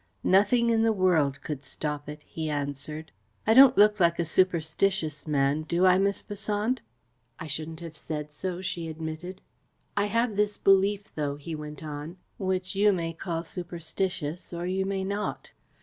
"Nothing in the world could stop it," he answered. "I don't look like a superstitious man, do I, Miss Besant?" "I shouldn't have said so," she admitted. "I have this belief, though," he went on, "which you may call superstitious, or you may not.